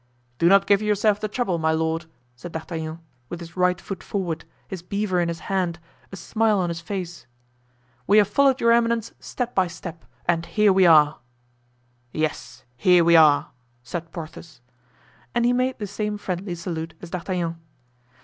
"Do not give yourself the trouble, my lord," said D'Artagnan, with his right foot forward, his beaver in his hand, a smile on his face, "we have followed your eminence step by step and here we are." "Yes—here we are," said Porthos. And he made the same friendly salute as D'Artagnan.